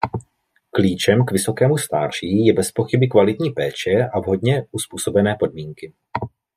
Klíčem k vysokému stáří je bezpochyby kvalitní péče a vhodně uzpůsobené podmínky.